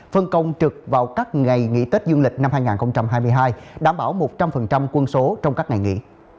phân công trực vào các ngày nghỉ tết dương lịch năm hai nghìn hai mươi hai đảm bảo một trăm linh quân số trong các ngày nghỉ